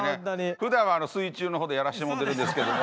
ふだんは水中のことやらしてもうてるんですけども。